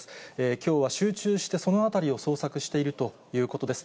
きょうは集中して、その辺りを捜索しているということです。